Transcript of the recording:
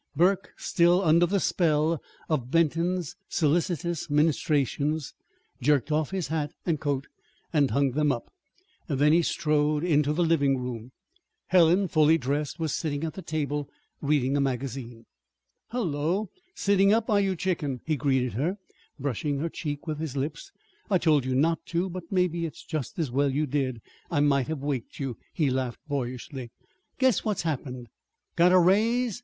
Burke, still under the spell of Benton's solicitous ministrations, jerked off his hat and coat and hung them up. Then he strode into the living room. Helen, fully dressed, was sitting at the table, reading a magazine. "Hullo! Sitting up, are you, chicken?" he greeted her, brushing her cheek with his lips. "I told you not to; but maybe it's just as well you did I might have waked you," he laughed boyishly. "Guess what's happened!" "Got a raise?"